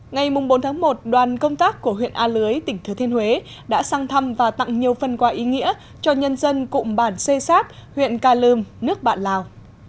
ngày bốn tháng một đoàn công tác của huyện a lưới tỉnh thừa thiên huế đã sang thăm và tặng nhiều phần quà ý nghĩa cho nhân dân cụm bản xê xáp huyện ca lương nước bạn lào